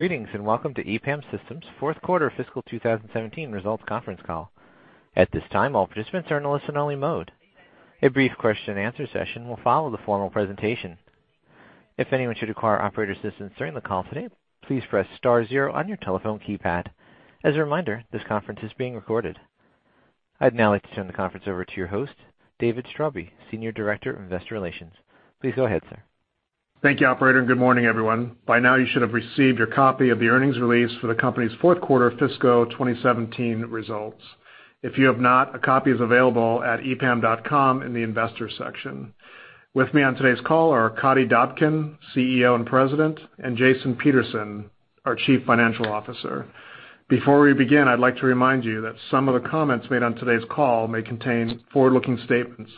Greetings, welcome to EPAM Systems' fourth quarter fiscal 2017 results conference call. At this time, all participants are in listen-only mode. A brief question-and-answer session will follow the formal presentation. If anyone should require operator assistance during the call today, please press star zero on your telephone keypad. As a reminder, this conference is being recorded. I'd now like to turn the conference over to your host, David Straube, Senior Director of Investor Relations. Please go ahead, sir. Thank you, operator, good morning, everyone. By now, you should have received your copy of the earnings release for the company's fourth quarter fiscal 2017 results. If you have not, a copy is available at epam.com in the Investors section. With me on today's call are Arkadiy Dobkin, CEO and President, and Jason Peterson, our Chief Financial Officer. Before we begin, I'd like to remind you that some of the comments made on today's call may contain forward-looking statements.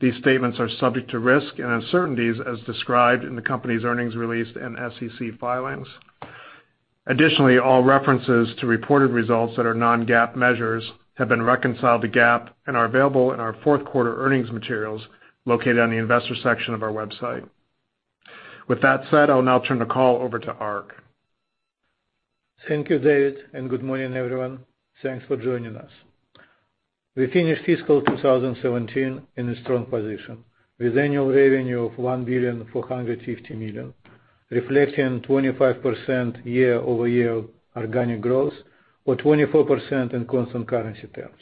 These statements are subject to risks and uncertainties as described in the company's earnings release and SEC filings. Additionally, all references to reported results that are non-GAAP measures have been reconciled to GAAP and are available in our fourth-quarter earnings materials located on the Investors section of our website. With that said, I'll now turn the call over to Ark. Thank you, David, good morning, everyone. Thanks for joining us. We finished fiscal 2017 in a strong position, with annual revenue of $1.450 billion, reflecting 25% year-over-year organic growth or 24% in constant currency terms.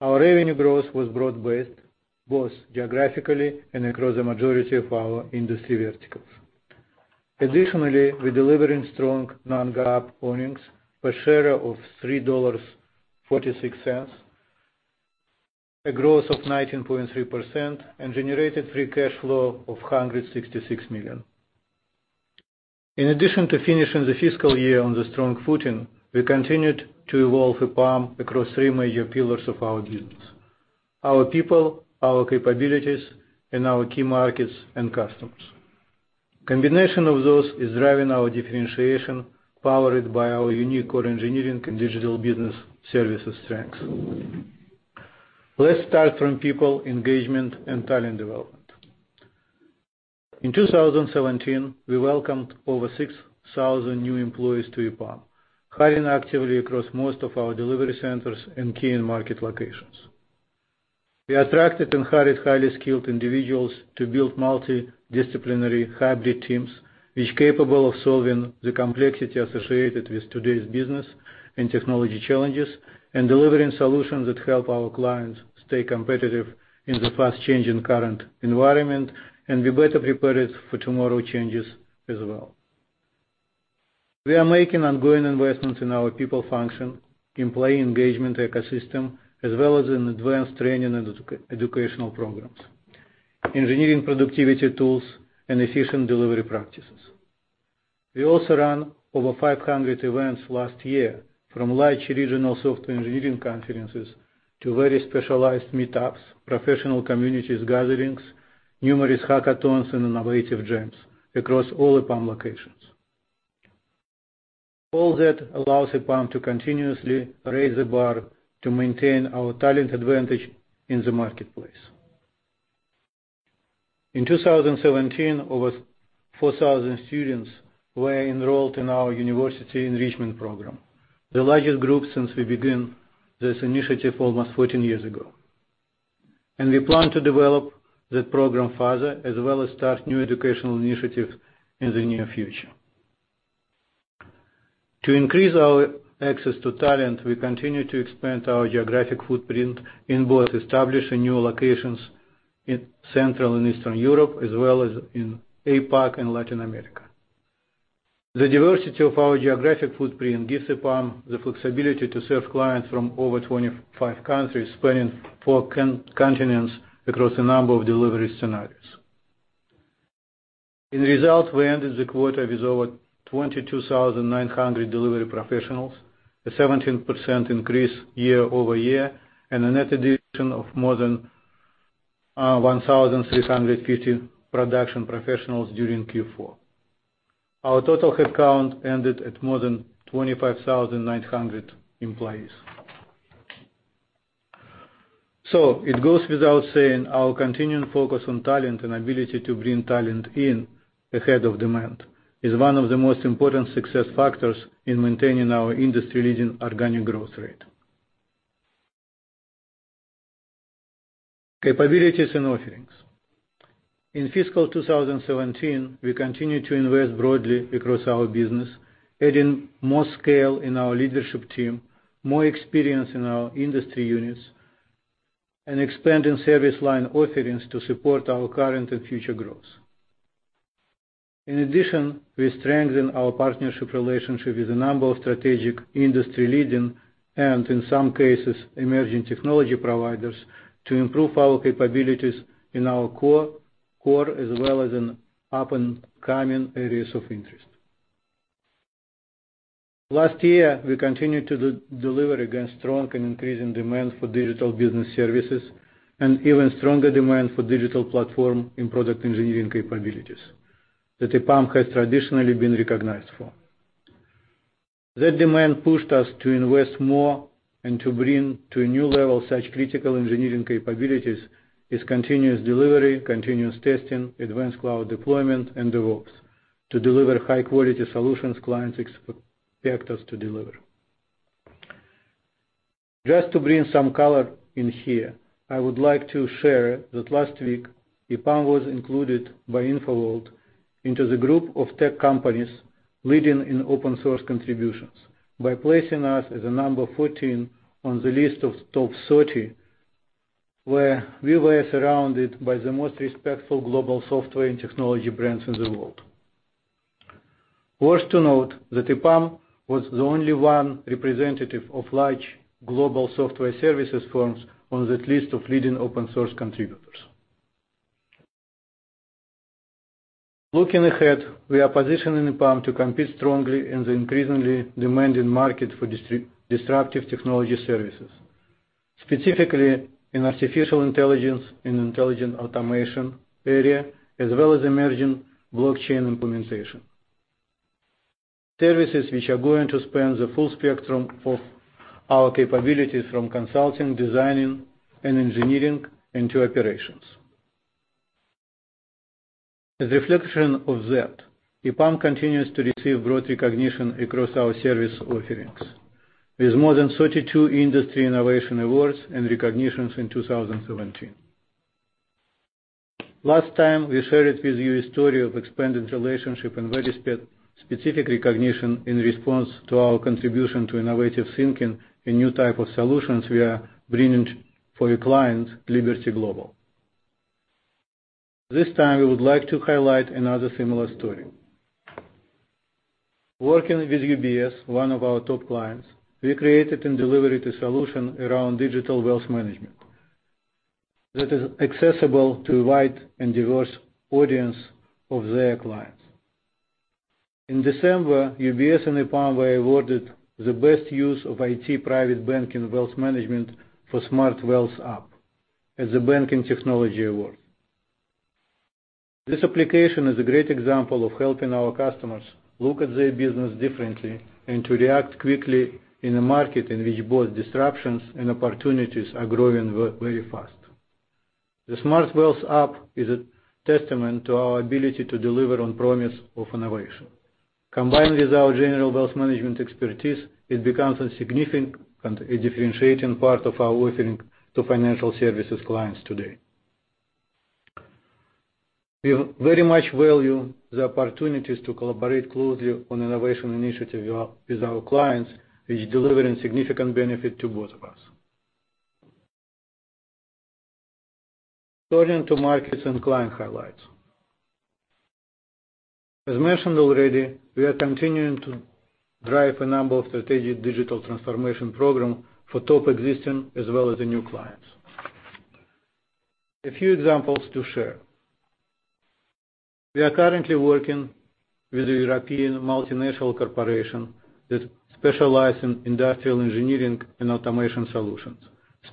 Our revenue growth was broad-based, both geographically and across the majority of our industry verticals. Additionally, we're delivering strong non-GAAP earnings per share of $3.46, a growth of 19.3%, and generated free cash flow of $166 million. In addition to finishing the fiscal year on the strong footing, we continued to evolve EPAM across three major pillars of our business: our people, our capabilities, and our key markets and customers. Combination of those is driving our differentiation, powered by our unique core engineering and digital business services strengths. Let's start from people engagement and talent development. In 2017, we welcomed over 6,000 new employees to EPAM, hiring actively across most of our delivery centers and key end market locations. We attracted and hired highly skilled individuals to build multi-disciplinary hybrid teams, which capable of solving the complexity associated with today's business and technology challenges, and delivering solutions that help our clients stay competitive in the fast-changing current environment, and be better prepared for tomorrow's changes as well. We are making ongoing investments in our people function, employee engagement ecosystem, as well as in advanced training and educational programs, engineering productivity tools, and efficient delivery practices. We also ran over 500 events last year, from large regional software engineering conferences to very specialized meetups, professional communities gatherings, numerous hackathons, and innovative jams across all EPAM locations. All that allows EPAM to continuously raise the bar to maintain our talent advantage in the marketplace. In 2017, over 4,000 students were enrolled in our university enrichment program, the largest group since we began this initiative almost 14 years ago. We plan to develop that program further, as well as start new educational initiatives in the near future. To increase our access to talent, we continue to expand our geographic footprint in both establishing new locations in Central and Eastern Europe as well as in APAC and Latin America. The diversity of our geographic footprint gives EPAM the flexibility to serve clients from over 25 countries spanning four continents across a number of delivery scenarios. In results, we ended the quarter with over 22,900 delivery professionals, a 17% increase year-over-year, and a net addition of more than 1,350 production professionals during Q4. Our total headcount ended at more than 25,900 employees. It goes without saying our continuing focus on talent and ability to bring talent in ahead of demand is one of the most important success factors in maintaining our industry-leading organic growth rate. Capabilities and offerings. In fiscal 2017, we continued to invest broadly across our business, adding more scale in our leadership team, more experience in our industry units, and expanding service line offerings to support our current and future growth. In addition, we strengthened our partnership relationship with a number of strategic industry-leading, and in some cases, emerging technology providers to improve our capabilities in our core as well as in up-and-coming areas of interest. Last year, we continued to deliver against strong and increasing demand for digital business services and even stronger demand for digital platform and product engineering capabilities that EPAM has traditionally been recognized for. That demand pushed us to invest more and to bring to a new level such critical engineering capabilities as continuous delivery, continuous testing, advanced cloud deployment, and DevOps to deliver high-quality solutions clients expect us to deliver. Just to bring some color in here, I would like to share that last week, EPAM was included by InfoWorld into the group of tech companies leading in open source contributions by placing us as a number 14 on the list of top 30, where we were surrounded by the most respectful global software and technology brands in the world. Worth to note that EPAM was the only one representative of large global software services firms on that list of leading open source contributors. Looking ahead, we are positioning EPAM to compete strongly in the increasingly demanding market for disruptive technology services, specifically in artificial intelligence and intelligent automation area, as well as emerging blockchain implementation. Services which are going to span the full spectrum of our capabilities from consulting, designing, and engineering into operations. As a reflection of that, EPAM continues to receive broad recognition across our service offerings. With more than 32 industry innovation awards and recognitions in 2017. Last time, we shared with you a story of expanded relationship and very specific recognition in response to our contribution to innovative thinking in new type of solutions we are bringing for a client, Liberty Global. This time, we would like to highlight another similar story. Working with UBS, one of our top clients, we created and delivered a solution around digital wealth management that is accessible to a wide and diverse audience of their clients. In December, UBS and EPAM were awarded the Best Use of IT Private Banking Wealth Management for SmartWealth App at the Banking Technology Awards. This application is a great example of helping our customers look at their business differently and to react quickly in a market in which both disruptions and opportunities are growing very fast. The SmartWealth App is a testament to our ability to deliver on promise of innovation. Combined with our general wealth management expertise, it becomes a significant and differentiating part of our offering to financial services clients today. We very much value the opportunities to collaborate closely on innovation initiative with our clients, is delivering significant benefit to both of us. Turning to markets and client highlights. As mentioned already, we are continuing to drive a number of strategic digital transformation program for top existing as well as the new clients. A few examples to share. We are currently working with a European multinational corporation that specialize in industrial engineering and automation solutions,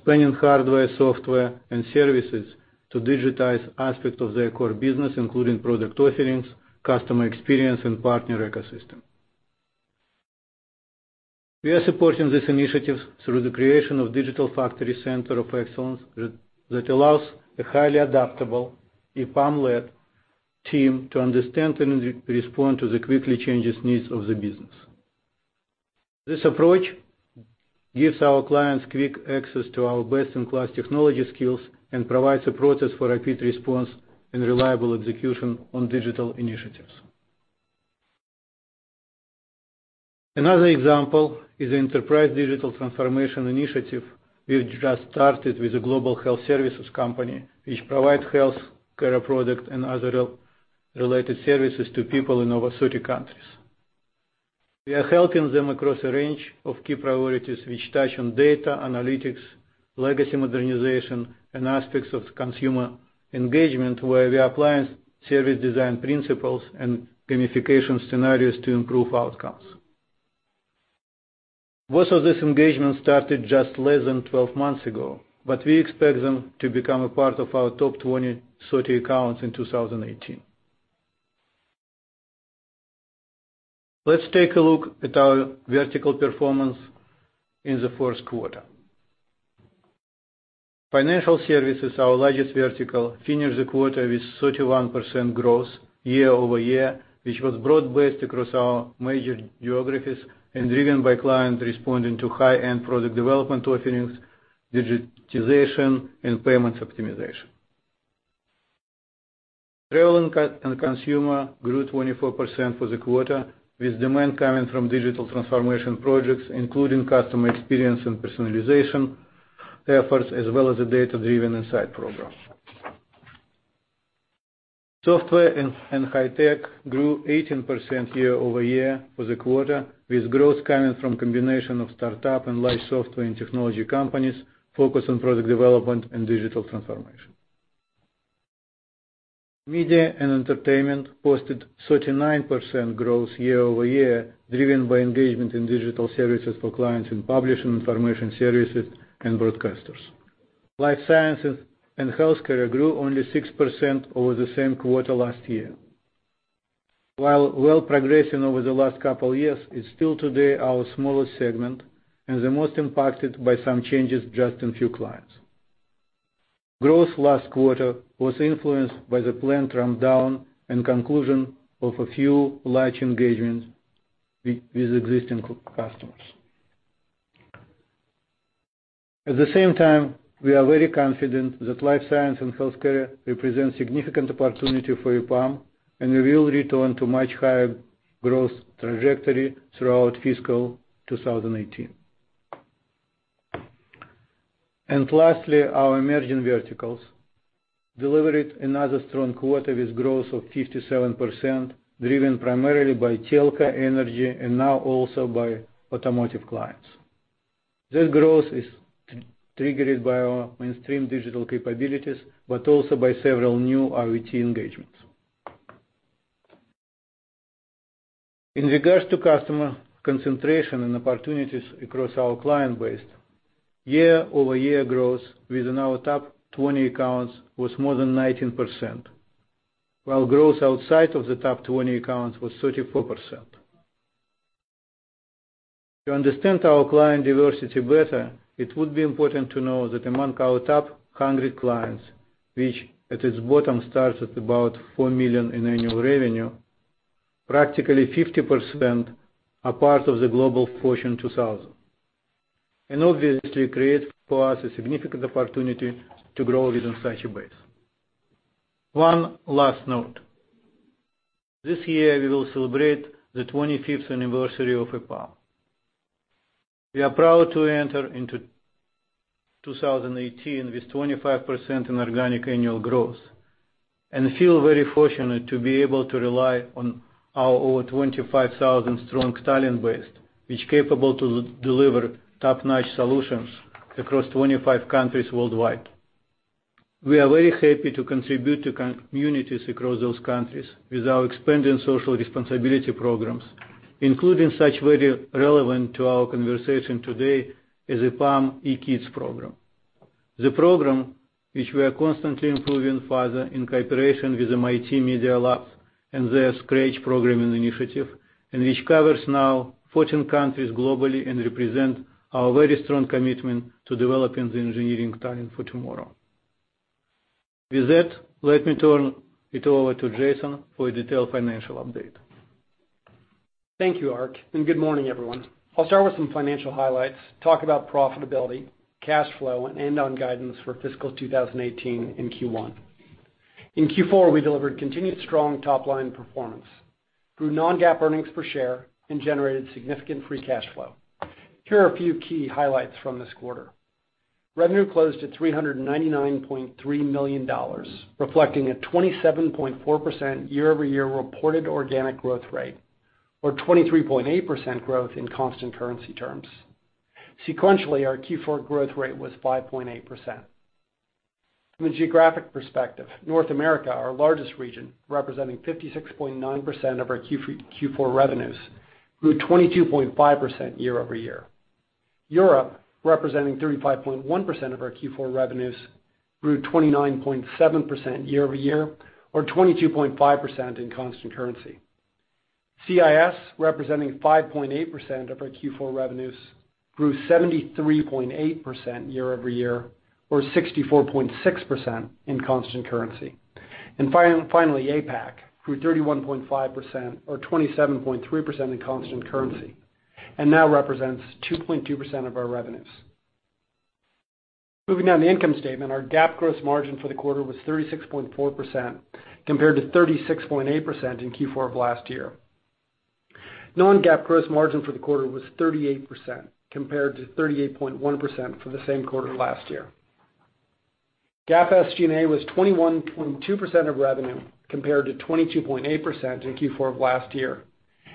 spanning hardware, software, and services to digitize aspects of their core business, including product offerings, customer experience, and partner ecosystem. We are supporting this initiative through the creation of digital factory center of excellence that allows a highly adaptable EPAM-led team to understand and respond to the quickly changing needs of the business. This approach gives our clients quick access to our best-in-class technology skills and provides a process for rapid response and reliable execution on digital initiatives. Another example is the enterprise digital transformation initiative we've just started with a global health services company, which provide healthcare products and other related services to people in over 30 countries. We are helping them across a range of key priorities which touch on data analytics, legacy modernization, and aspects of consumer engagement, where we apply service design principles and gamification scenarios to improve outcomes. Most of these engagements started just less than 12 months ago, but we expect them to become a part of our top 20-30 accounts in 2018. Let's take a look at our vertical performance in the first quarter. Financial services, our largest vertical, finished the quarter with 31% growth year-over-year, which was broad-based across our major geographies and driven by clients responding to high-end product development offerings, digitization, and payments optimization. Travel and consumer grew 24% for the quarter, with demand coming from digital transformation projects, including customer experience and personalization efforts, as well as the data-driven insight program. Software and high tech grew 18% year-over-year for the quarter, with growth coming from combination of startup and large software and technology companies focused on product development and digital transformation. Media and entertainment posted 39% growth year-over-year, driven by engagement in digital services for clients in publishing, information services, and broadcasters. Life sciences and healthcare grew only 6% over the same quarter last year. While well progressing over the last couple years, it's still today our smallest segment and the most impacted by some changes just in few clients. Growth last quarter was influenced by the planned ramp down and conclusion of a few large engagements with existing customers. At the same time, we are very confident that life science and healthcare represents significant opportunity for EPAM, and we will return to much higher growth trajectory throughout fiscal 2018. Lastly, our emerging verticals delivered another strong quarter with growth of 57%, driven primarily by telco, energy, and now also by automotive clients. This growth is triggered by our mainstream digital capabilities, but also by several new IoT engagements. In regards to customer concentration and opportunities across our client base, year-over-year growth within our top 20 accounts was more than 19%, while growth outside of the top 20 accounts was 34%. To understand our client diversity better, it would be important to know that among our top 100 clients, which at its bottom starts at about $4 million in annual revenue, practically 50% are part of the Forbes Global 2000, and obviously creates for us a significant opportunity to grow within such a base. One last note. This year, we will celebrate the 25th anniversary of EPAM. We are proud to enter into 2018 with 25% in organic annual growth and feel very fortunate to be able to rely on our over 25,000 strong talent base, which capable to deliver top-notch solutions across 25 countries worldwide. We are very happy to contribute to communities across those countries with our expanding social responsibility programs, including such very relevant to our conversation today as EPAM eKids program. The program, which we are constantly improving further in cooperation with MIT Media Lab and their Scratch programming initiative, and which covers now 14 countries globally and represent our very strong commitment to developing the engineering talent for tomorrow. With that, let me turn it over to Jason for a detailed financial update. Thank you, Ark, and good morning, everyone. I'll start with some financial highlights, talk about profitability, cash flow, and end on guidance for fiscal 2018 and Q1. In Q4, we delivered continued strong top-line performance through non-GAAP earnings per share and generated significant free cash flow. Here are a few key highlights from this quarter. Revenue closed at $399.3 million, reflecting a 27.4% year-over-year reported organic growth rate or 23.8% growth in constant currency terms. Sequentially, our Q4 growth rate was 5.8%. From a geographic perspective, North America, our largest region, representing 56.9% of our Q4 revenues, grew 22.5% year-over-year. Europe, representing 35.1% of our Q4 revenues, grew 29.7% year-over-year, or 22.5% in constant currency. CIS, representing 5.8% of our Q4 revenues, grew 73.8% year-over-year, or 64.6% in constant currency. Finally, APAC grew 31.5% or 27.3% in constant currency and now represents 2.2% of our revenues. Moving down the income statement, our GAAP gross margin for the quarter was 36.4%, compared to 36.8% in Q4 of last year. Non-GAAP gross margin for the quarter was 38%, compared to 38.1% for the same quarter last year. GAAP SG&A was 21.2% of revenue, compared to 22.8% in Q4 of last year.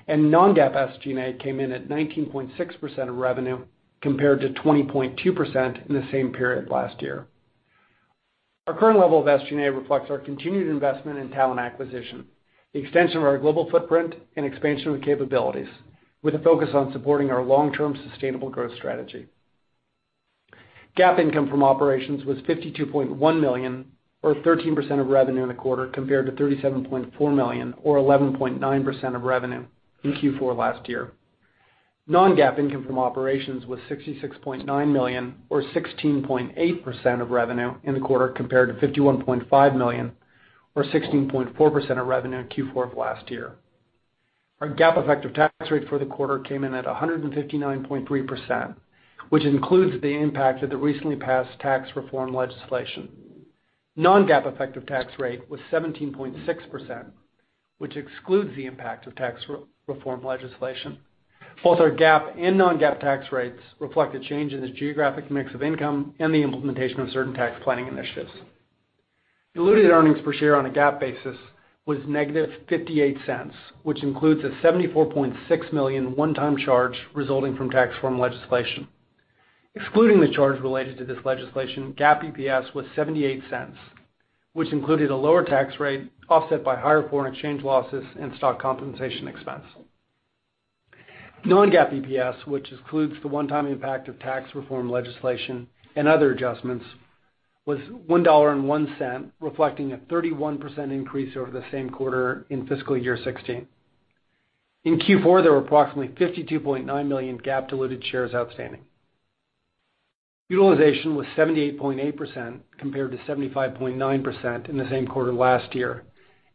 Non-GAAP SG&A came in at 19.6% of revenue, compared to 20.2% in the same period last year. Our current level of SG&A reflects our continued investment in talent acquisition, the extension of our global footprint, and expansion of capabilities, with a focus on supporting our long-term sustainable growth strategy. GAAP income from operations was $52.1 million or 13% of revenue in the quarter compared to $37.4 million or 11.9% of revenue in Q4 last year. Non-GAAP income from operations was $66.9 million or 16.8% of revenue in the quarter compared to $51.5 million or 16.4% of revenue in Q4 of last year. Our GAAP effective tax rate for the quarter came in at 159.3%, which includes the impact of the recently passed tax reform legislation. Non-GAAP effective tax rate was 17.6%, which excludes the impact of tax reform legislation. Both our GAAP and non-GAAP tax rates reflect a change in the geographic mix of income and the implementation of certain tax planning initiatives. Diluted earnings per share on a GAAP basis was -$0.58, which includes a $74.6 million one-time charge resulting from tax reform legislation. Excluding the charge related to this legislation, GAAP EPS was $0.78, which included a lower tax rate offset by higher foreign exchange losses and stock compensation expense. Non-GAAP EPS, which excludes the one-time impact of tax reform legislation and other adjustments, was $1.01, reflecting a 31% increase over the same quarter in fiscal year 2016. In Q4, there were approximately 52.9 million GAAP diluted shares outstanding. Utilization was 78.8%, compared to 75.9% in the same quarter last year,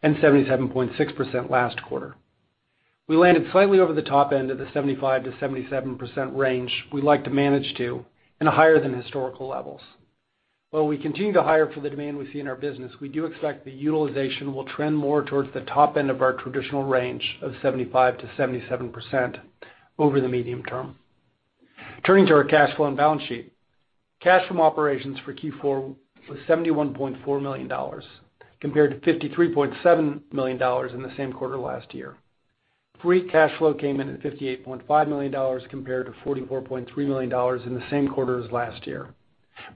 and 77.6% last quarter. We landed slightly over the top end of the 75%-77% range we'd like to manage to, and higher than historical levels. While we continue to hire for the demand we see in our business, we do expect the utilization will trend more towards the top end of our traditional range of 75%-77% over the medium term. Turning to our cash flow and balance sheet. Cash from operations for Q4 was $71.4 million, compared to $53.7 million in the same quarter last year. Free cash flow came in at $58.5 million compared to $44.3 million in the same quarter as last year,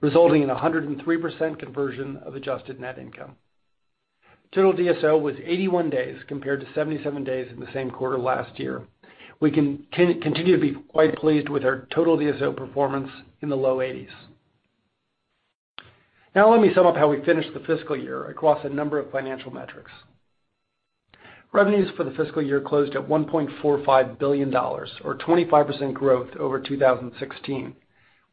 resulting in 103% conversion of adjusted net income. Total DSO was 81 days compared to 77 days in the same quarter last year. We continue to be quite pleased with our total DSO performance in the low 80s. Let me sum up how we finished the fiscal year across a number of financial metrics. Revenues for the fiscal year closed at $1.45 billion, or 25% growth over 2016,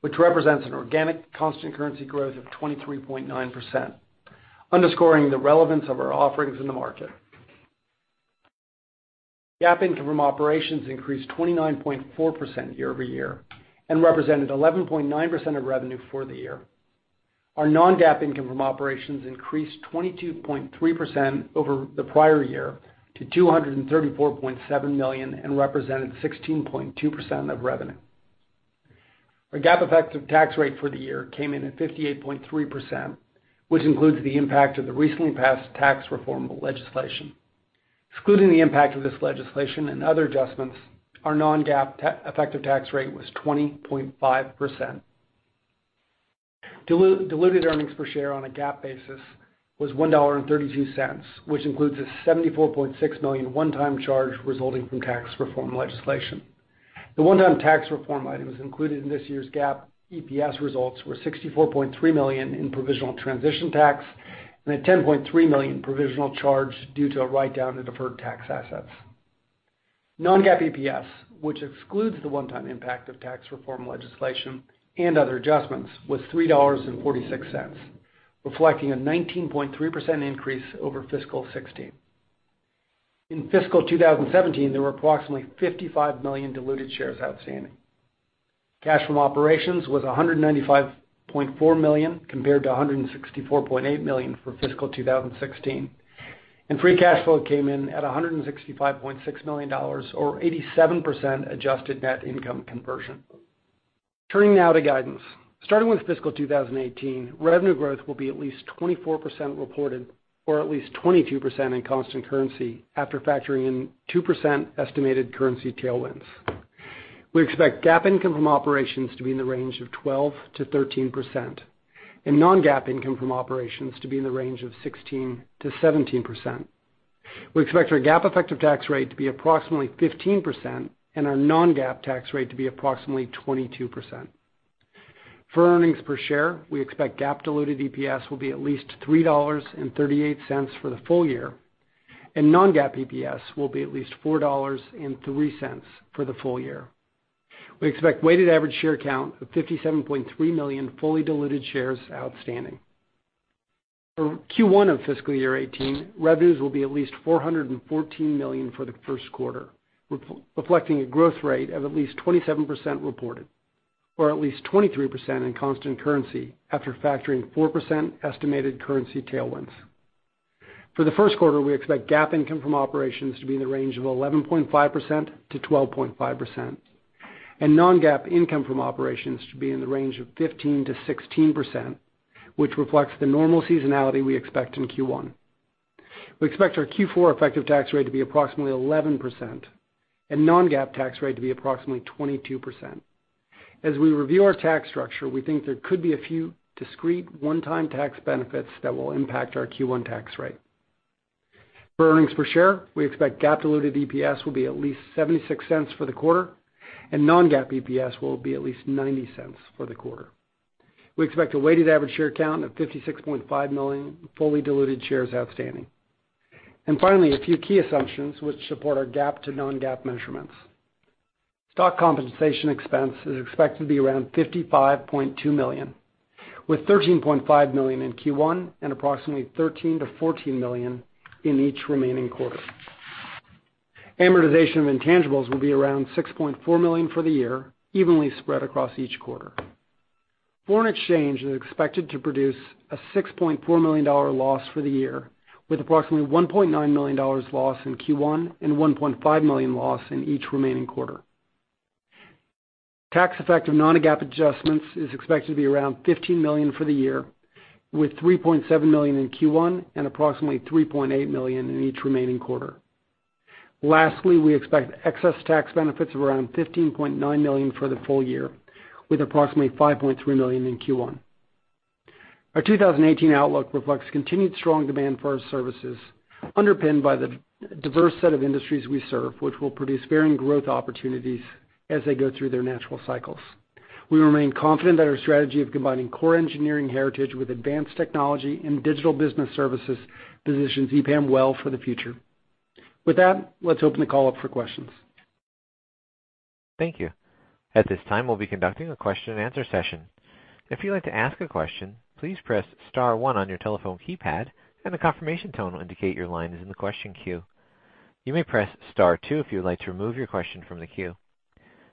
which represents an organic constant currency growth of 23.9%, underscoring the relevance of our offerings in the market. GAAP income from operations increased 29.4% year-over-year and represented 11.9% of revenue for the year. Our non-GAAP income from operations increased 22.3% over the prior year to $234.7 million and represented 16.2% of revenue. Our GAAP effective tax rate for the year came in at 58.3%, which includes the impact of the recently passed tax reform legislation. Excluding the impact of this legislation and other adjustments, our non-GAAP effective tax rate was 20.5%. Diluted earnings per share on a GAAP basis was $1.32, which includes a $74.6 million one-time charge resulting from tax reform legislation. The one-time tax reform items included in this year's GAAP EPS results were $64.3 million in provisional transition tax and a $10.3 million provisional charge due to a write-down of deferred tax assets. Non-GAAP EPS, which excludes the one-time impact of tax reform legislation and other adjustments, was $3.46, reflecting a 19.3% increase over fiscal 2016. In fiscal 2017, there were approximately 55 million diluted shares outstanding. Cash from operations was $195.4 million compared to $164.8 million for fiscal 2016. Free cash flow came in at $165.6 million or 87% adjusted net income conversion. Turning now to guidance. Starting with fiscal 2018, revenue growth will be at least 24% reported or at least 22% in constant currency after factoring in 2% estimated currency tailwinds. We expect GAAP income from operations to be in the range of 12%-13% and non-GAAP income from operations to be in the range of 16%-17%. We expect our GAAP effective tax rate to be approximately 15% and our non-GAAP tax rate to be approximately 22%. For earnings per share, we expect GAAP diluted EPS will be at least $3.38 for the full year, and non-GAAP EPS will be at least $4.03 for the full year. We expect weighted average share count of 57.3 million fully diluted shares outstanding. For Q1 of fiscal year 2018, revenues will be at least $414 million for the first quarter, reflecting a growth rate of at least 27% reported, or at least 23% in constant currency after factoring 4% estimated currency tailwinds. For the first quarter, we expect GAAP income from operations to be in the range of 11.5%-12.5%, and non-GAAP income from operations to be in the range of 15%-16%, which reflects the normal seasonality we expect in Q1. We expect our Q4 effective tax rate to be approximately 11% and non-GAAP tax rate to be approximately 22%. As we review our tax structure, we think there could be a few discrete one-time tax benefits that will impact our Q1 tax rate. For earnings per share, we expect GAAP diluted EPS will be at least $0.76 for the quarter and non-GAAP EPS will be at least $0.90 for the quarter. We expect a weighted average share count of 56.5 million fully diluted shares outstanding. Finally, a few key assumptions which support our GAAP to non-GAAP measurements. Stock compensation expense is expected to be around $55.2 million, with $13.5 million in Q1 and approximately $13 million-$14 million in each remaining quarter. Amortization of intangibles will be around $6.4 million for the year, evenly spread across each quarter. Foreign exchange is expected to produce a $6.4 million loss for the year, with approximately $1.9 million loss in Q1 and $1.5 million loss in each remaining quarter. Tax effect of non-GAAP adjustments is expected to be around $15 million for the year, with $3.7 million in Q1 and approximately $3.8 million in each remaining quarter. Lastly, we expect excess tax benefits of around $15.9 million for the full year, with approximately $5.3 million in Q1. Our 2018 outlook reflects continued strong demand for our services, underpinned by the diverse set of industries we serve, which will produce varying growth opportunities as they go through their natural cycles. We remain confident that our strategy of combining core engineering heritage with advanced technology and digital business services positions EPAM well for the future. With that, let's open the call up for questions. Thank you. At this time, we'll be conducting a question and answer session. If you'd like to ask a question, please press star one on your telephone keypad, and a confirmation tone will indicate your line is in the question queue. You may press star two if you would like to remove your question from the queue.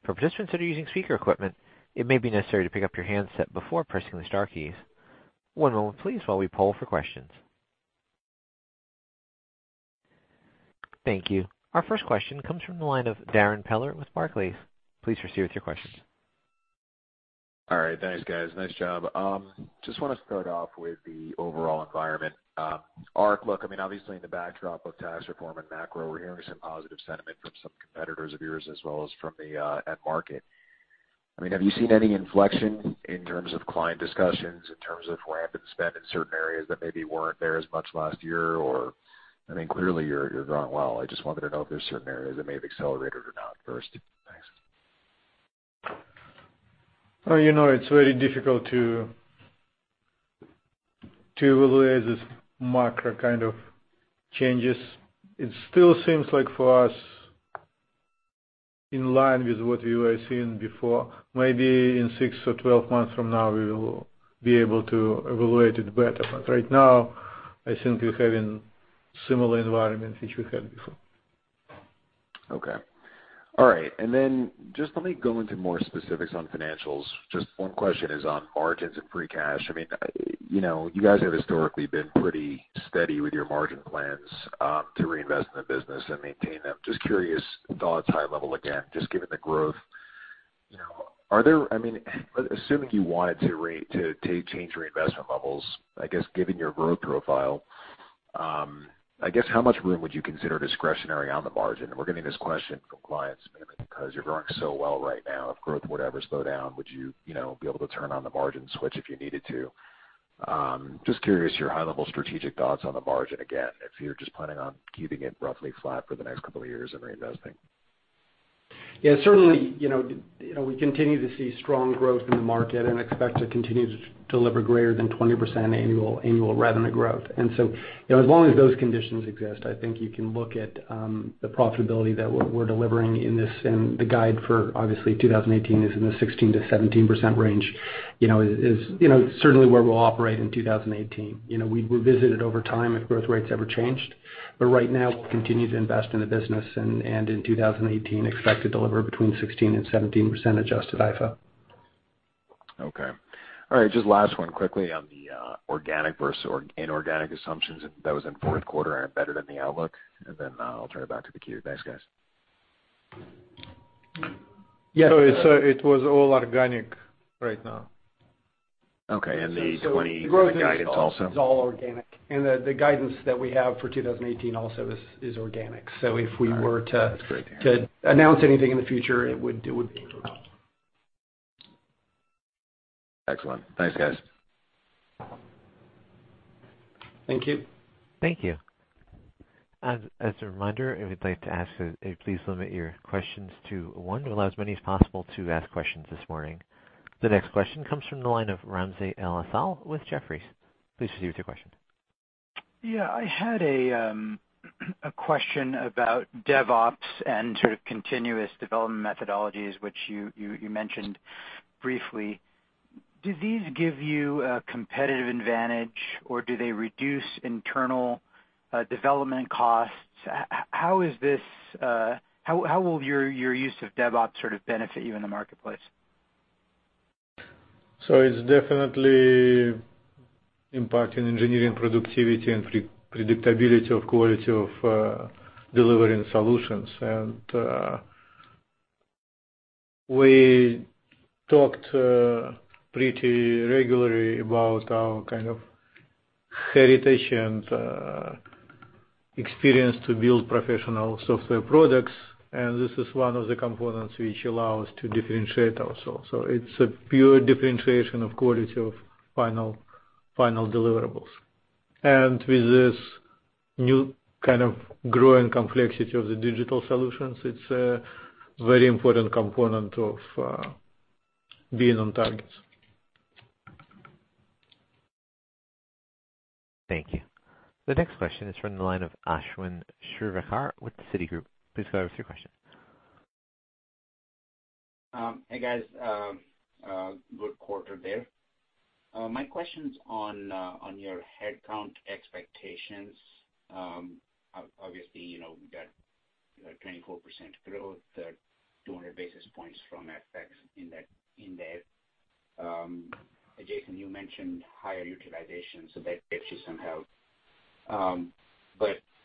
For participants that are using speaker equipment, it may be necessary to pick up your handset before pressing the star keys. One moment please while we poll for questions. Thank you. Our first question comes from the line of Darrin Peller with Barclays. Please proceed with your questions. All right. Thanks, guys. Nice job. Just want to start off with the overall environment. Ark, look, obviously in the backdrop of tax reform and macro, we're hearing some positive sentiment from some competitors of yours as well as from the end market. Have you seen any inflection in terms of client discussions, in terms of ramp and spend in certain areas that maybe weren't there as much last year? Clearly you're growing well. I just wanted to know if there's certain areas that may have accelerated or not first. Thanks. It's very difficult to evaluate these macro kind of changes. It still seems like for us, in line with what we were seeing before. Maybe in six or 12 months from now, we will be able to evaluate it better. Right now, I think we're having similar environments which we had before. Okay. All right. Just let me go into more specifics on financials. Just one question is on margins and free cash. You guys have historically been pretty steady with your margin plans, to reinvest in the business and maintain them. Just curious, thoughts, high level again, just given the growth. Assuming you wanted to change your investment levels, I guess, given your growth profile, how much room would you consider discretionary on the margin? We're getting this question from clients because you're growing so well right now. If growth were to ever slow down, would you be able to turn on the margin switch if you needed to? Just curious your high-level strategic thoughts on the margin again, if you're just planning on keeping it roughly flat for the next couple of years and reinvesting. Yeah. Certainly, we continue to see strong growth in the market and expect to continue to deliver greater than 20% annual revenue growth. As long as those conditions exist, I think you can look at the profitability that we're delivering in this, and the guide for obviously 2018 is in the 16%-17% range. It's certainly where we'll operate in 2018. We'd revisit it over time if growth rates ever changed. Right now, we'll continue to invest in the business, and in 2018, expect to deliver between 16% and 17% adjusted IFO. Okay. All right, just last one quickly on the organic versus inorganic assumptions that was in fourth quarter, better than the outlook, I'll turn it back to the queue. Thanks, guys. Yeah. It was all organic right now. Okay. The 20% guidance also? It's all organic. The guidance that we have for 2018 also is organic. All right. That's great to hear. If we were to announce anything in the future, it would be organic. Excellent. Thanks, guys. Thank you. Thank you. As a reminder, if you'd like to ask, please limit your questions to one. We'll allow as many as possible to ask questions this morning. The next question comes from the line of Ramsey El-Assal with Jefferies. Please proceed with your question. Yeah. I had a question about DevOps and sort of continuous development methodologies, which you mentioned briefly. Do these give you a competitive advantage, or do they reduce internal development costs? How will your use of DevOps sort of benefit you in the marketplace? It's definitely impacting engineering productivity and predictability of quality of delivering solutions. We talked pretty regularly about our kind of heritage and experience to build professional software products. This is one of the components which allow us to differentiate ourselves. It's a pure differentiation of quality of final deliverables. With this new kind of growing complexity of the digital solutions, it's a very important component of being on targets. Thank you. The next question is from the line of Ashwin Shirvaikar with Citigroup. Please go ahead with your question. Hey, guys. Good quarter there. My question's on your headcount expectations. Obviously, we got 24% growth, 200 basis points from FX in that. Jason, you mentioned higher utilization, that helps you somehow.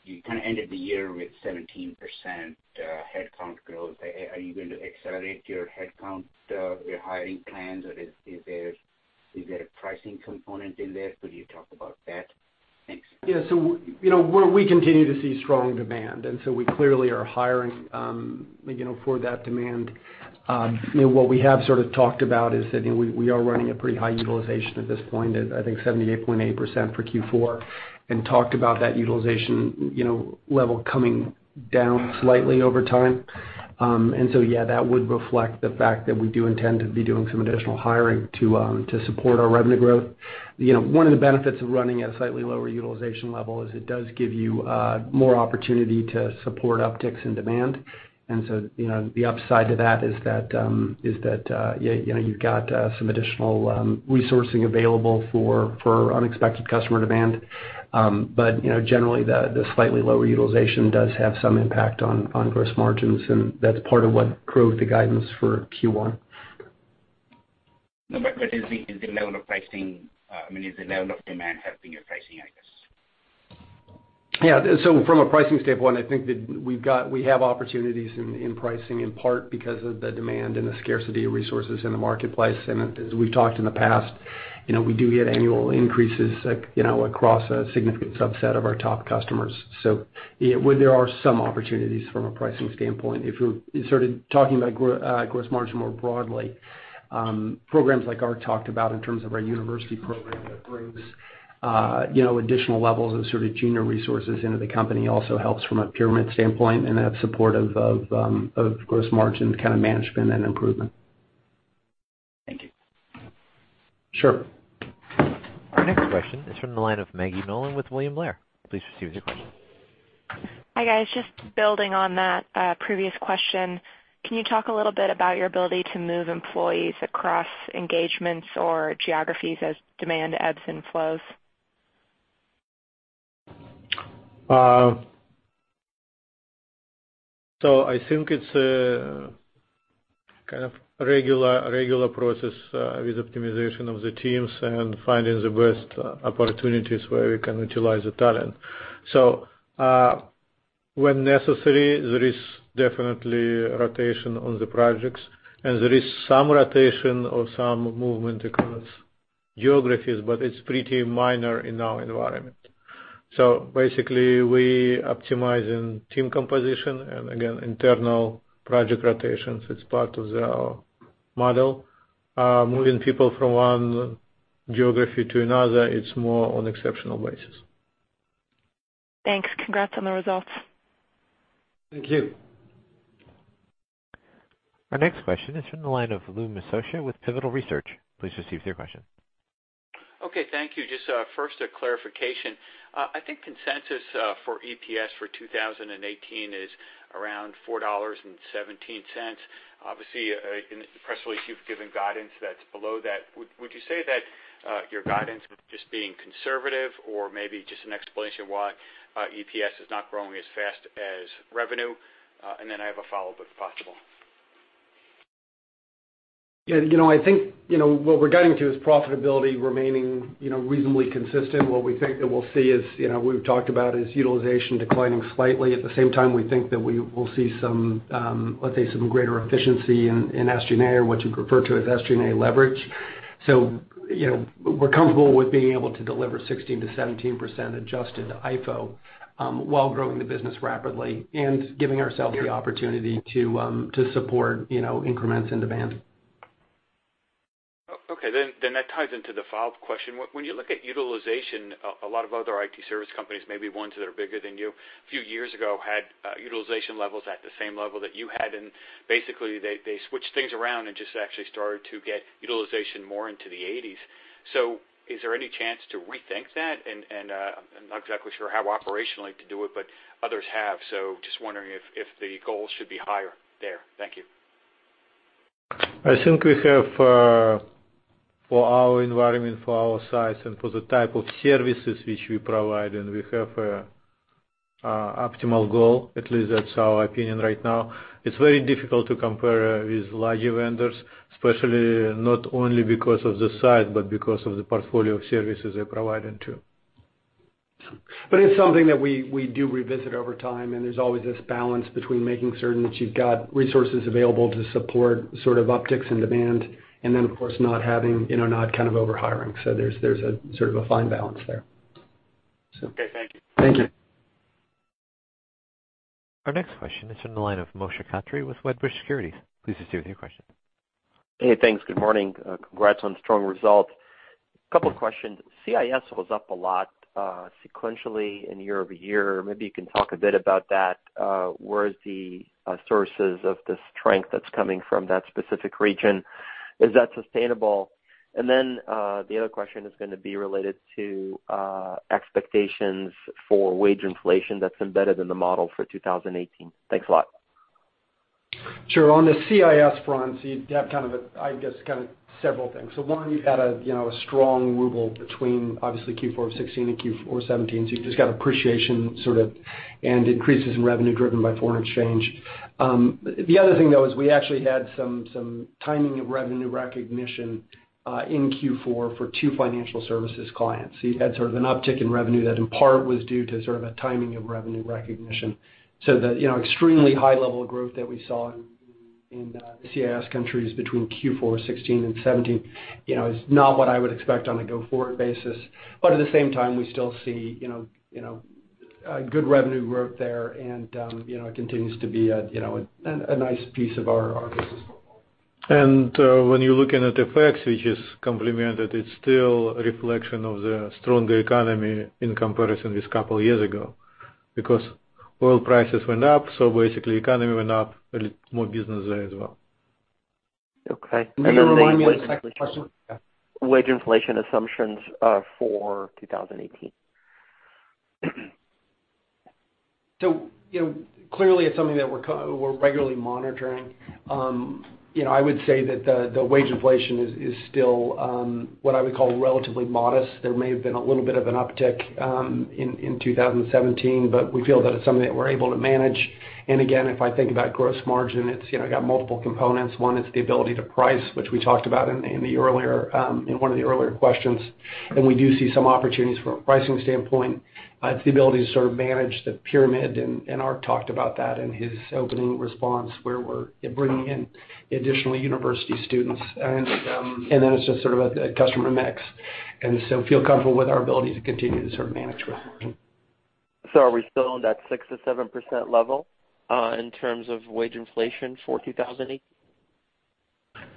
You kind of ended the year with 17% headcount growth. Are you going to accelerate your headcount, your hiring plans, or is there? Is there a pricing component in there? Could you talk about that? Thanks. We continue to see strong demand, we clearly are hiring for that demand. What we have sort of talked about is that we are running a pretty high utilization at this point, I think 78.8% for Q4, and talked about that utilization level coming down slightly over time. That would reflect the fact that we do intend to be doing some additional hiring to support our revenue growth. One of the benefits of running at a slightly lower utilization level is it does give you more opportunity to support upticks in demand. The upside to that is that you've got some additional resourcing available for unexpected customer demand. Generally, the slightly lower utilization does have some impact on gross margins, and that's part of what drove the guidance for Q1. Is the level of pricing I mean, is the level of demand helping your pricing, I guess? From a pricing standpoint, I think that we have opportunities in pricing in part because of the demand and the scarcity of resources in the marketplace. As we've talked in the past, we do get annual increases across a significant subset of our top customers. There are some opportunities from a pricing standpoint. If you're sort of talking about gross margin more broadly, programs like Ark talked about in terms of our university program that brings additional levels of sort of junior resources into the company also helps from a pyramid standpoint and a support of gross margin kind of management and improvement. Thank you. Sure. Our next question is from the line of Maggie Nolan with William Blair. Please proceed with your question. Hi, guys. Just building on that previous question, can you talk a little bit about your ability to move employees across engagements or geographies as demand ebbs and flows? I think it's a kind of regular process with optimization of the teams and finding the best opportunities where we can utilize the talent. When necessary, there is definitely rotation on the projects, and there is some rotation or some movement across geographies, but it's pretty minor in our environment. Basically, we optimize in team composition and again, internal project rotations, it's part of our model. Moving people from one geography to another, it's more on exceptional basis. Thanks. Congrats on the results. Thank you. Our next question is from the line of Lou Miscioscia with Pivotal Research. Please proceed with your question. Okay, thank you. Just first a clarification. I think consensus for EPS for 2018 is around $4.17. Obviously, in the press release, you've given guidance that's below that. Would you say that your guidance is just being conservative or maybe just an explanation why EPS is not growing as fast as revenue? And then I have a follow-up, if possible. Yeah. I think what we're guiding to is profitability remaining reasonably consistent. What we think that we'll see is, we've talked about is utilization declining slightly. At the same time, we think that we will see some let's say some greater efficiency in SG&A, or what you'd refer to as SG&A leverage. So, we're comfortable with being able to deliver 16%-17% adjusted IFO, while growing the business rapidly and giving ourselves the opportunity to support increments in demand. Okay, that ties into the follow-up question. When you look at utilization, a lot of other IT service companies, maybe ones that are bigger than you, a few years ago had utilization levels at the same level that you had, and basically, they switched things around and just actually started to get utilization more into the 80s. Is there any chance to rethink that? I'm not exactly sure how operationally to do it, but others have. Just wondering if the goal should be higher there. Thank you. I think we have, for our environment, for our size, and for the type of services which we provide, and we have optimal goal. At least that's our opinion right now. It's very difficult to compare with larger vendors, especially not only because of the size, but because of the portfolio of services they're providing, too. It's something that we do revisit over time, and there's always this balance between making certain that you've got resources available to support sort of upticks in demand, and then of course, not kind of over-hiring. There's a sort of a fine balance there. Okay, thank you. Thank you. Our next question is from the line of Moshe Katri with Wedbush Securities. Please proceed with your question. Hey, thanks. Good morning. Congrats on strong results. A couple questions. CIS was up a lot sequentially in year-over-year. Maybe you can talk a bit about that. Where is the sources of the strength that's coming from that specific region? Is that sustainable? Then, the other question is going to be related to expectations for wage inflation that's embedded in the model for 2018. Thanks a lot. Sure. On the CIS front, you'd have kind of, I guess, kind of several things. One, you've had a strong ruble between obviously Q4 of 2016 and Q4 2017, you've just got appreciation sort of, and increases in revenue driven by foreign exchange. The other thing, though, is we actually had some timing of revenue recognition in Q4 for two financial services clients. You had sort of an uptick in revenue that in part was due to sort of a timing of revenue recognition. The extremely high level of growth that we saw in the CIS countries between Q4 2016 and 2017 is not what I would expect on a go-forward basis. At the same time, we still see good revenue growth there, and it continues to be a nice piece of our business. When you're looking at effects, which is complemented, it's still a reflection of the stronger economy in comparison with a couple of years ago. Oil prices went up, basically economy went up, a little more business there as well. Okay. Remind me of the second question. Yeah. Wage inflation assumptions for 2018. Clearly, it's something that we're regularly monitoring. I would say that the wage inflation is still what I would call relatively modest. There may have been a little bit of an uptick in 2017, we feel that it's something that we're able to manage. Again, if I think about gross margin, it's got multiple components. One is the ability to price, which we talked about in one of the earlier questions, we do see some opportunities from a pricing standpoint. It's the ability to sort of manage the pyramid, and Ark talked about that in his opening response, where we're bringing in additional university students. It's just sort of a customer mix. Feel comfortable with our ability to continue to sort of manage gross margin. Are we still in that 6%-7% level in terms of wage inflation for 2018?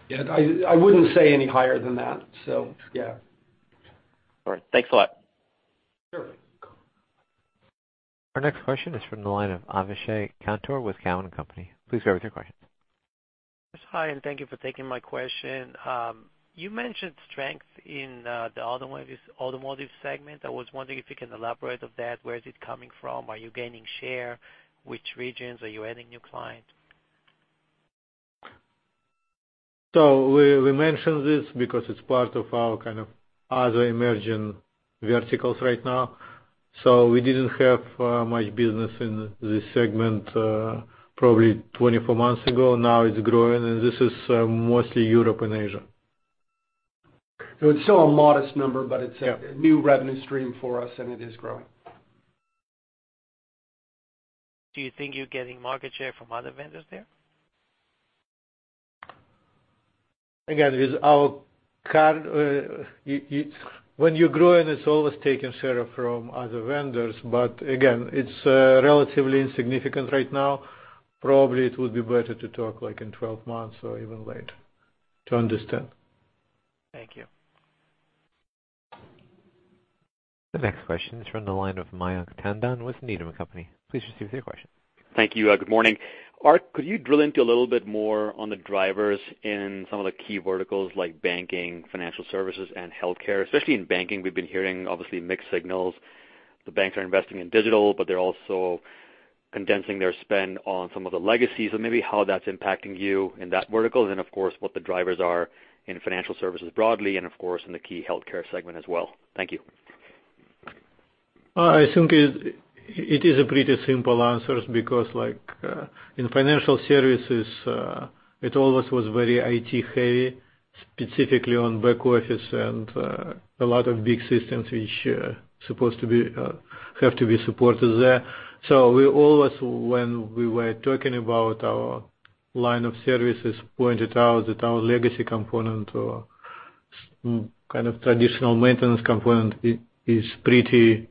Yeah, I wouldn't say any higher than that, so yeah. All right. Thanks a lot. Sure. Our next question is from the line of Avishek Kantur with Cowen and Company. Please go with your questions. Yes, hi. Thank you for taking my question. You mentioned strength in the automotive segment. I was wondering if you can elaborate on that. Where is it coming from? Are you gaining share? Which regions? Are you adding new client? We mentioned this because it's part of our kind of other emerging verticals right now. We didn't have much business in this segment probably 24 months ago. Now it's growing, and this is mostly Europe and Asia. It's still a modest number, but it's a new revenue stream for us, and it is growing. Do you think you're getting market share from other vendors there? When you're growing, it's always taking share from other vendors. Again, it's relatively insignificant right now. Probably it would be better to talk, like, in 12 months or even later to understand. Thank you. The next question is from the line of Mayank Tandon with Needham & Company. Please proceed with your question. Thank you. Good morning. Ark, could you drill into a little bit more on the drivers in some of the key verticals like banking, financial services, and healthcare? Especially in banking, we've been hearing, obviously, mixed signals. The banks are investing in digital, they're also condensing their spend on some of the legacy. Maybe how that's impacting you in that vertical, then, of course, what the drivers are in financial services broadly, of course, in the key healthcare segment as well. Thank you. It is a pretty simple answer because in financial services, it always was very IT heavy, specifically on back office and a lot of big systems which have to be supported there. We always, when we were talking about our line of services, pointed out that our legacy component or kind of traditional maintenance component is pretty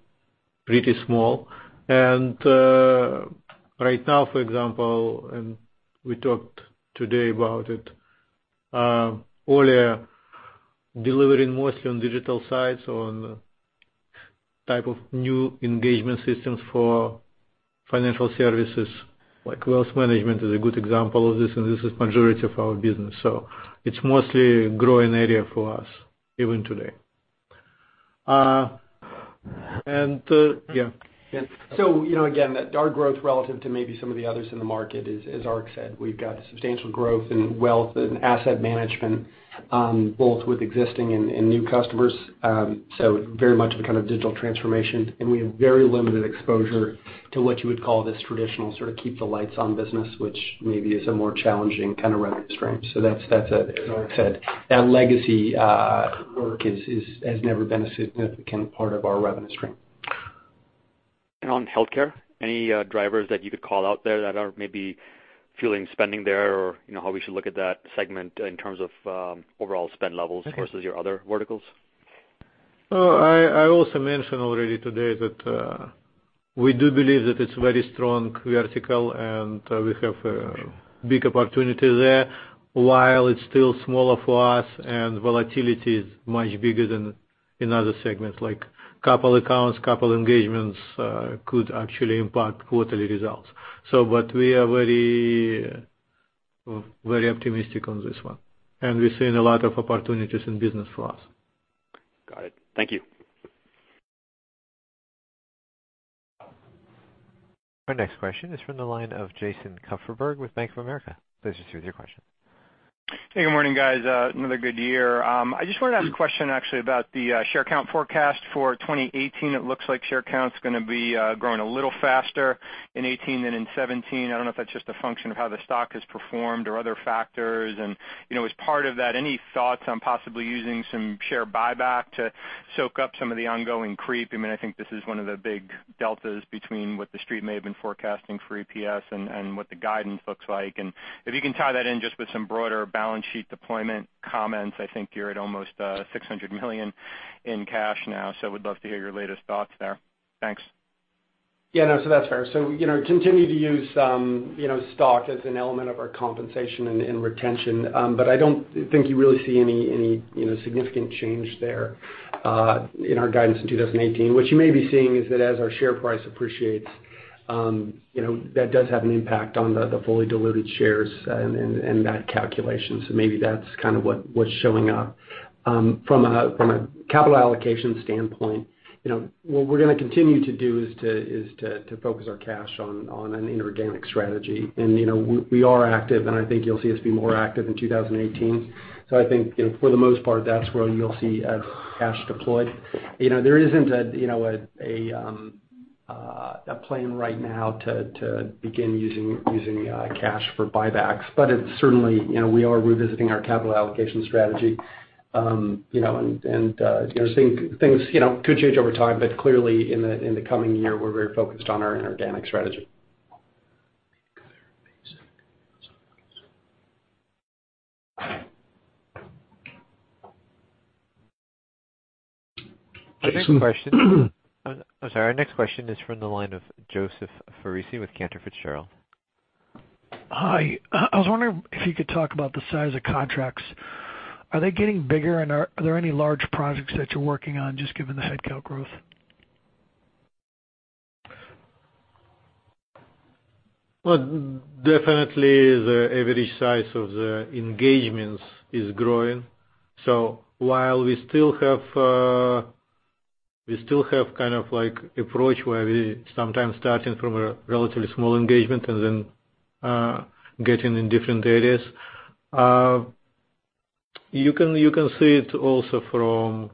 small. Right now, for example, and we talked today about it, earlier, delivering mostly on digital sides on type of new engagement systems for financial services, like wealth management is a good example of this, and this is majority of our business. It's mostly growing area for us even today. Again, our growth relative to maybe some of the others in the market is, as Ark said, we've got substantial growth in wealth and asset management, both with existing and new customers. Very much of a kind of digital transformation. We have very limited exposure to what you would call this traditional sort of keep the lights on business, which maybe is a more challenging kind of revenue stream. That's, as Ark said, that legacy work has never been a significant part of our revenue stream. On healthcare, any drivers that you could call out there that are maybe fueling spending there or how we should look at that segment in terms of overall spend levels versus your other verticals? I also mentioned already today that we do believe that it's a very strong vertical, we have a big opportunity there. While it's still smaller for us, volatility is much bigger than in other segments, like couple accounts, couple engagements could actually impact quarterly results. We are very optimistic on this one, we're seeing a lot of opportunities in business for us. Got it. Thank you. Our next question is from the line of Jason Kupferberg with Bank of America. Please proceed with your question. Hey, good morning, guys. Another good year. I just wanted to ask a question actually about the share count forecast for 2018. It looks like share count's going to be growing a little faster in 2018 than in 2017. As part of that, any thoughts on possibly using some share buyback to soak up some of the ongoing creep? I think this is one of the big deltas between what the Street may have been forecasting for EPS and what the guidance looks like. If you can tie that in just with some broader balance sheet deployment comments, I think you're at almost $600 million in cash now, would love to hear your latest thoughts there. Thanks. Yeah, no, that's fair. We continue to use stock as an element of our compensation and retention. I don't think you really see any significant change there in our guidance in 2018. What you may be seeing is that as our share price appreciates, that does have an impact on the fully diluted shares and that calculation. Maybe that's what was showing up. From a capital allocation standpoint, what we're going to continue to do is to focus our cash on an inorganic strategy. We are active, and I think you'll see us be more active in 2018. I think for the most part, that's where you'll see cash deployed. There isn't a plan right now to begin using cash for buybacks, it's certainly, we are revisiting our capital allocation strategy. Things could change over time, but clearly in the coming year, we're very focused on our inorganic strategy. Our next question, our next question is from the line of Joseph Foresi with Cantor Fitzgerald. Hi. I was wondering if you could talk about the size of contracts. Are they getting bigger, and are there any large projects that you're working on, just given the headcount growth? Definitely the average size of the engagements is growing. While we still have approach where we sometimes starting from a relatively small engagement and then getting in different areas. You can see it also from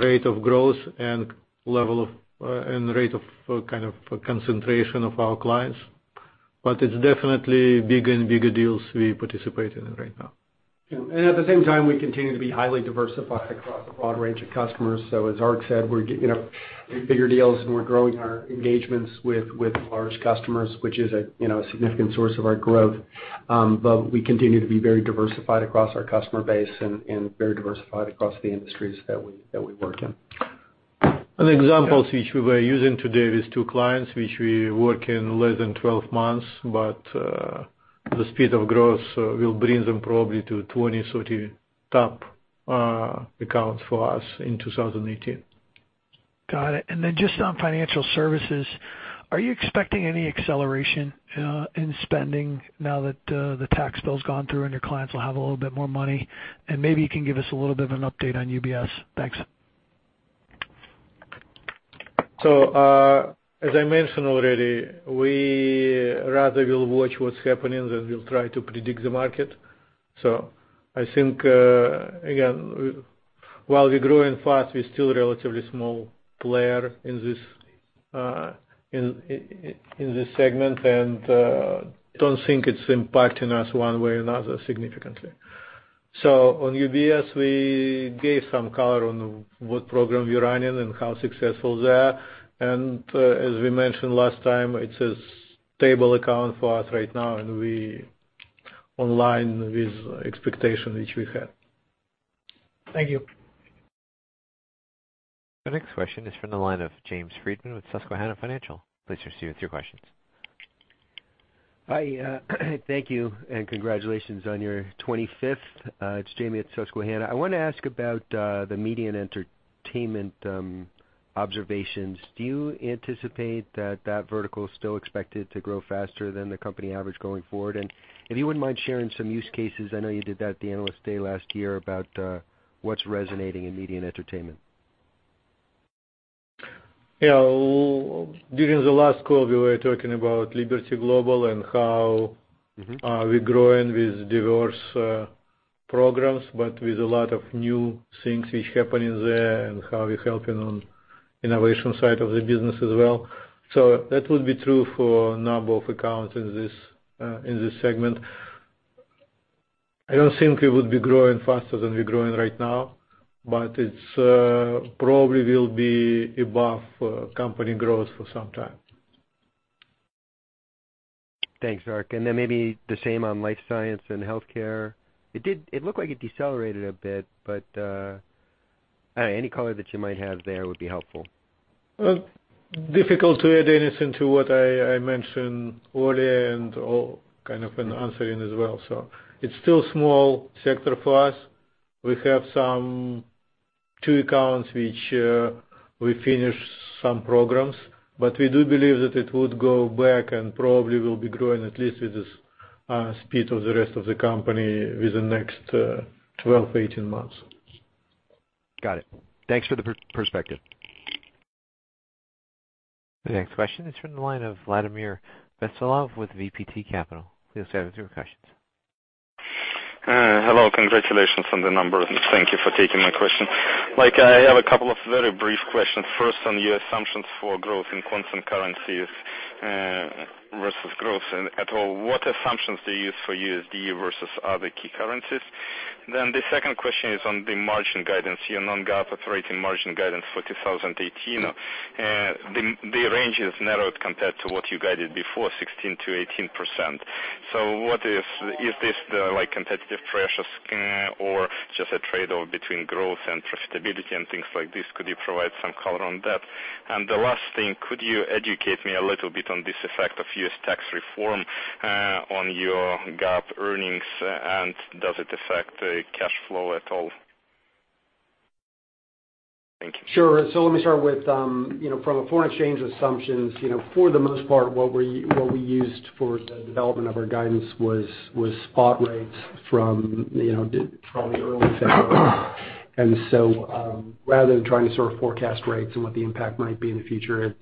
rate of growth and rate of concentration of our clients. It's definitely bigger and bigger deals we participate in right now. At the same time, we continue to be highly diversified across a broad range of customers. As Ark said, we're getting bigger deals, and we're growing our engagements with large customers, which is a significant source of our growth. We continue to be very diversified across our customer base and very diversified across the industries that we work in. Example which we were using today is two clients which we work in less than 12 months. The speed of growth will bring them probably to 20, 30 top accounts for us in 2018. Got it. Then just on financial services, are you expecting any acceleration in spending now that the tax bill's gone through, and your clients will have a little bit more money? Maybe you can give us a little bit of an update on UBS. Thanks. As I mentioned already, we rather will watch what's happening than we'll try to predict the market. I think, again, while we're growing fast, we're still a relatively small player in this segment, and don't think it's impacting us one way or another significantly. On UBS, we gave some color on what program we are running and how successful they are. As we mentioned last time, it's a stable account for us right now, and we online with expectation, which we have. Thank you. The next question is from the line of James Friedman with Susquehanna Financial. Please proceed with your questions. Hi. Thank you, and congratulations on your 25th. It's Jamie at Susquehanna. I want to ask about the media and entertainment observations. Do you anticipate that that vertical is still expected to grow faster than the company average going forward? If you wouldn't mind sharing some use cases, I know you did that at the Analyst Day last year about what's resonating in media and entertainment. Yeah. During the last call, we were talking about Liberty Global and how we're growing with diverse programs, but with a lot of new things which happening there and how we're helping on innovation side of the business as well. That would be true for a number of accounts in this segment. I don't think it would be growing faster than we're growing right now, but it probably will be above company growth for some time. Thanks, Ark. Then maybe the same on life science and healthcare. It looked like it decelerated a bit, any color that you might have there would be helpful. Well, difficult to add anything to what I mentioned earlier and all kind of an answer in as well. It's still small sector for us. We have some two accounts which we finish some programs, we do believe that it would go back and probably will be growing at least with the speed of the rest of the company within the next 12-18 months. Got it. Thanks for the perspective. The next question is from the line of Vladimir Vetselov with VTB Capital. Please go ahead with your questions. Hello, congratulations on the numbers, and thank you for taking my question. I have a couple of very brief questions. First, on your assumptions for growth in constant currencies versus growth at all. What assumptions do you use for USD versus other key currencies? The second question is on the margin guidance, your non-GAAP operating margin guidance for 2018. The range is narrowed compared to what you guided before 16%-18%. Is this the competitive pressures or just a trade-off between growth and profitability and things like this? Could you provide some color on that? The last thing, could you educate me a little bit on this effect of U.S. tax reform on your GAAP earnings? Does it affect cash flow at all? Thank you. Sure. Let me start with from a foreign exchange assumptions, for the most part, what we used for the development of our guidance was spot rates from early February. Rather than trying to sort of forecast rates and what the impact might be in the future,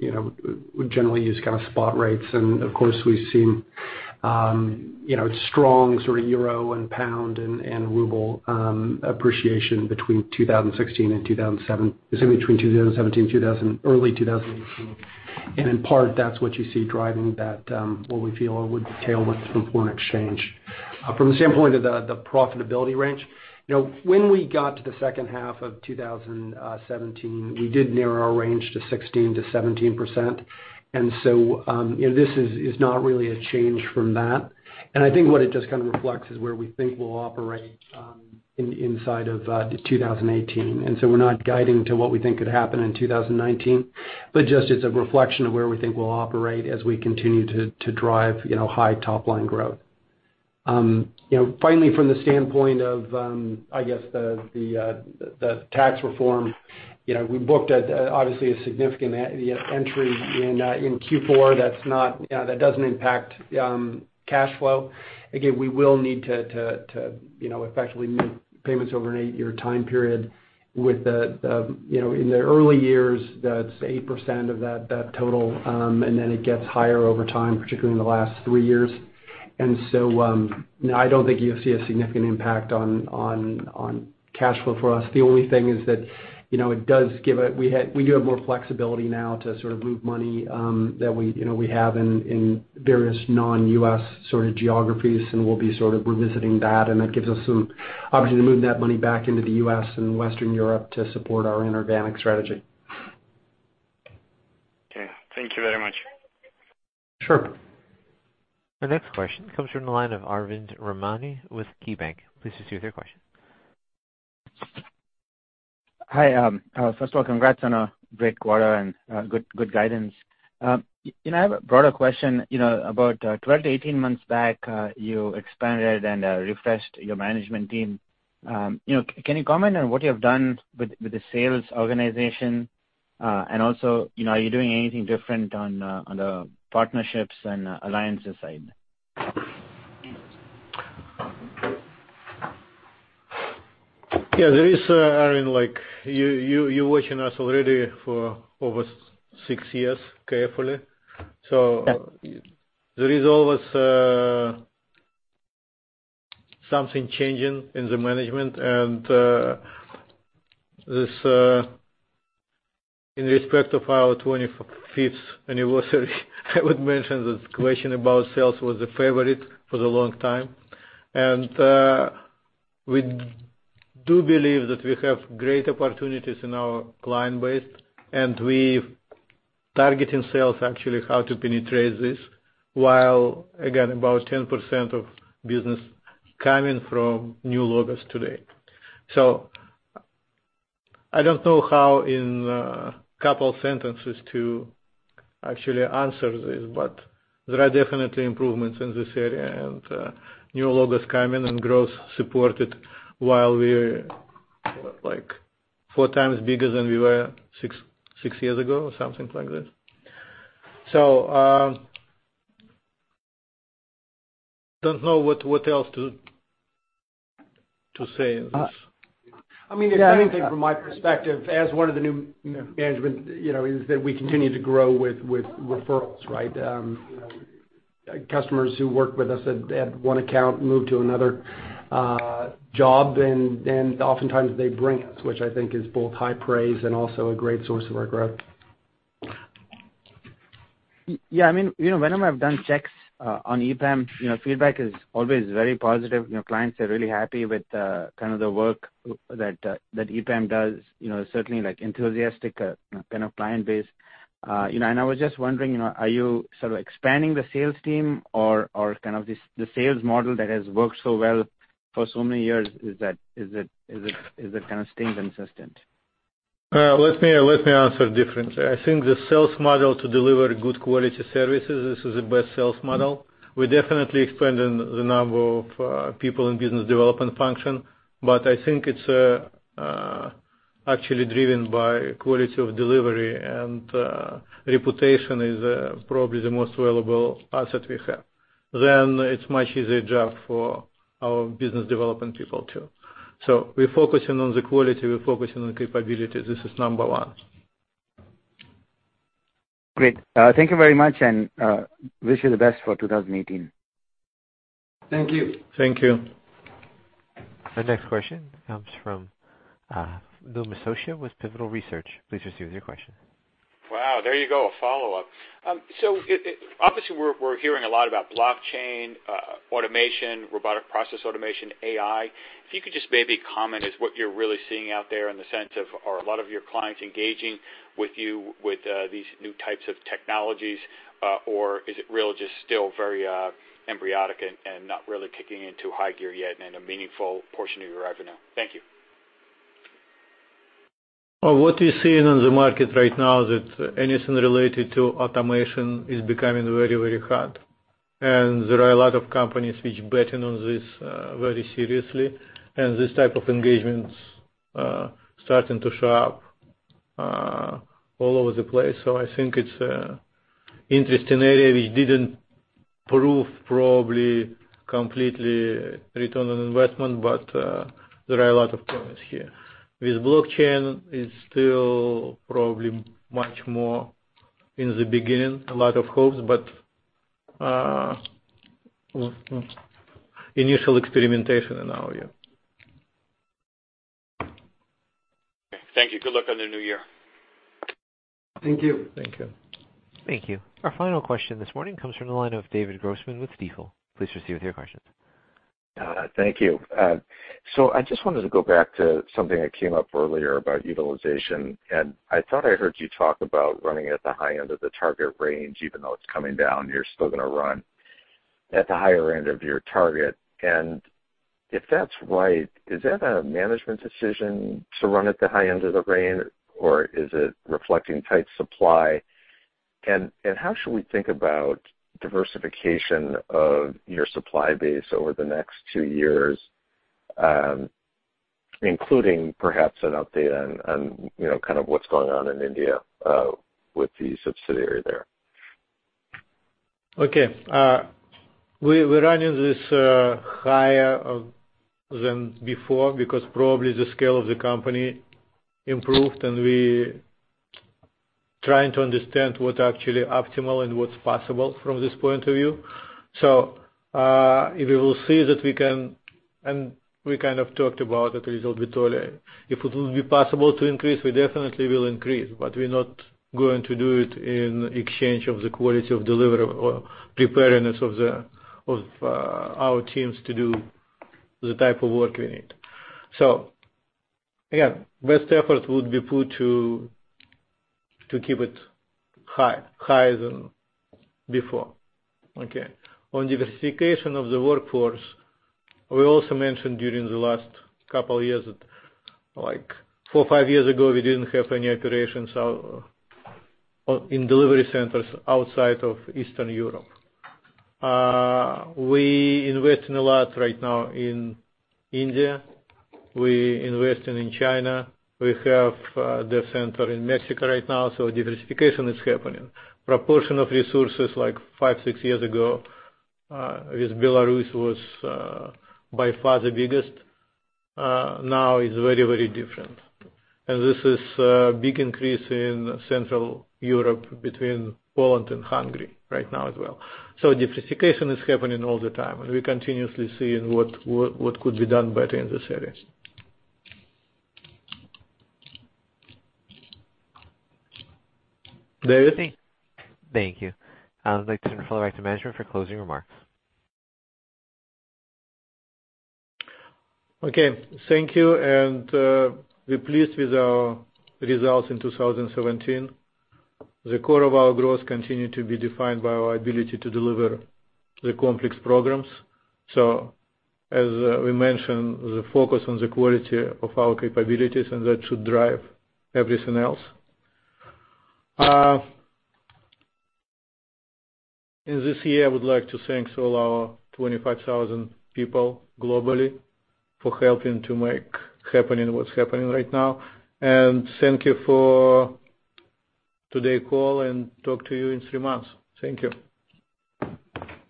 we generally use spot rates. Of course, we've seen strong euro and pound and ruble appreciation between 2016 and early 2018. In part, that's what you see driving that what we feel would tail with foreign exchange. From the standpoint of the profitability range, when we got to the second half of 2017, we did narrow our range to 16%-17%. This is not really a change from that. I think what it just kind of reflects is where we think we'll operate inside of 2018. We're not guiding to what we think could happen in 2019, but just as a reflection of where we think we'll operate as we continue to drive high top-line growth. Finally, from the standpoint of, I guess, the tax reform, we booked obviously a significant entry in Q4 that doesn't impact cash flow. Again, we will need to effectively make payments over an eight-year time period with the early years, that's 8% of that total, then it gets higher over time, particularly in the last three years. I don't think you'll see a significant impact on cash flow for us. The only thing is that we do have more flexibility now to sort of move money that we have in various non-U.S. sort of geographies, we'll be revisiting that gives us some opportunity to move that money back into the U.S. and Western Europe to support our inorganic strategy. Okay. Thank you very much. Sure. Our next question comes from the line of Arvind Ramnani with KeyBanc. Please proceed with your question. Hi. First of all, congrats on a great quarter and good guidance. I have a broader question. About 12-18 months back, you expanded and refreshed your management team. Can you comment on what you have done with the sales organization? Also, are you doing anything different on the partnerships and alliances side? Yeah, there is, Arvind, you're watching us already for over six years carefully. Yes. There is always something changing in the management. In respect of our 25th anniversary I would mention this question about sales was a favorite for the long time. We do believe that we have great opportunities in our client base, and we've targeting sales, actually, how to penetrate this, while, again, about 10% of business coming from new logos today. I don't know how in a couple sentences to actually answer this, but there are definitely improvements in this area, and new logos coming and growth supported while we're four times bigger than we were six years ago, or something like that. Don't know what else to say in this. I mean, if anything, from my perspective as one of the new management, is that we continue to grow with referrals, right? Customers who work with us at one account move to another job and oftentimes they bring us, which I think is both high praise and also a great source of our growth. Yeah. Whenever I've done checks on EPAM, feedback is always very positive. Clients are really happy with the work that EPAM does, certainly enthusiastic kind of client base. I was just wondering, are you sort of expanding the sales team or kind of the sales model that has worked so well for so many years, is it kind of staying consistent? Let me answer differently. I think the sales model to deliver good quality services, this is the best sales model. We're definitely expanding the number of people in business development function, but I think it's actually driven by quality of delivery, and reputation is probably the most valuable asset we have. It's much easier job for our business development people, too. We're focusing on the quality, we're focusing on capabilities. This is number one. Great. Thank you very much, and wish you the best for 2018. Thank you. Thank you. Our next question comes from Lou Miscioscia with Pivotal Research. Please proceed with your question. Wow, there you go, a follow-up. Obviously we're hearing a lot about blockchain, automation, robotic process automation, AI. If you could just maybe comment as what you're really seeing out there in the sense of, are a lot of your clients engaging with you with these new types of technologies? Or is it really just still very embryonic and not really kicking into high gear yet in a meaningful portion of your revenue? Thank you. What we're seeing on the market right now is that anything related to automation is becoming very, very hot. There are a lot of companies which betting on this very seriously, and this type of engagement is starting to show up all over the place. I think it's an interesting area which didn't prove probably completely return on investment, but there are a lot of promise here. With blockchain, it's still probably much more in the beginning. A lot of hopes, but initial experimentation and now, yeah. Okay. Thank you. Good luck on the new year. Thank you. Thank you. Thank you. Our final question this morning comes from the line of David Grossman with Stifel. Please proceed with your question. Thank you. I just wanted to go back to something that came up earlier about utilization, and I thought I heard you talk about running at the high end of the target range even though it's coming down, you're still going to run at the higher end of your target. If that's right, is that a management decision to run at the high end of the range, or is it reflecting tight supply? How should we think about diversification of your supply base over the next two years, including perhaps an update on what's going on in India with the subsidiary there? Okay. We're running this higher than before because probably the scale of the company improved, and we trying to understand what actually optimal and what's possible from this point of view. If we will see that we can and we kind of talked about the result with Oleg. If it will be possible to increase, we definitely will increase, but we're not going to do it in exchange of the quality of deliverable or preparedness of our teams to do the type of work we need. Again, best effort would be put to keep it high, higher than before. Okay. On diversification of the workforce, we also mentioned during the last couple years, like four or five years ago, we didn't have any operations in delivery centers outside of Eastern Europe. We investing a lot right now in India. We investing in China. We have the center in Mexico right now, so diversification is happening. Proportion of resources like five, six years ago, with Belarus was by far the biggest. Now it's very different. This is a big increase in Central Europe between Poland and Hungary right now as well. So diversification is happening all the time, and we're continuously seeing what could be done better in this area. There is it. Thank you. I would like to turn it back to management for closing remarks. Okay. Thank you. We're pleased with our results in 2017. The core of our growth continued to be defined by our ability to deliver the complex programs. As we mentioned, the focus on the quality of our capabilities, and that should drive everything else. This year, I would like to thank all our 25,000 people globally for helping to make happening what's happening right now. Thank you for today call and talk to you in three months. Thank you.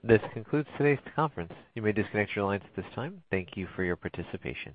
This concludes today's conference. You may disconnect your lines at this time. Thank you for your participation.